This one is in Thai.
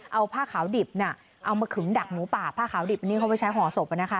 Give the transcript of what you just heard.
เอาผ้าขาวดิบน่ะเอามาขึงดักหมูป่าผ้าขาวดิบอันนี้เขาไปใช้ห่อศพนะคะ